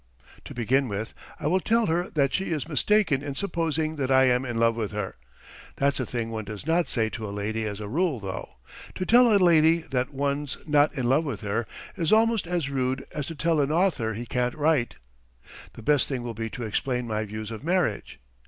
To begin with, I will tell her that she is mistaken in supposing that I am in love with her. That's a thing one does not say to a lady as a rule, though. To tell a lady that one's not in love with her, is almost as rude as to tell an author he can't write. The best thing will be to explain my views of marriage.